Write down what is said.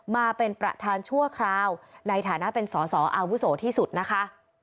มาเป็นประธานชั่วคราวในฐานะเป็นสอสออาวุโสที่สุดนะคะ